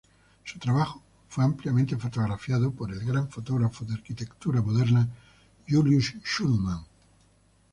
Su trabajo fue ampliamente fotografiado por el gran fotógrafo de arquitectura moderna Julius Shulman.